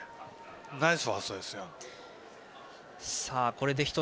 ナイスファーストですよ。